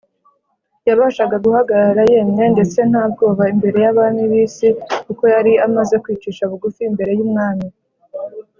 . Yabashaga guhagarara yemye ndetse nta bwoba imbere y’abami b’isi, kuko yari amaze kwicisha bugufi imbere y’Umwami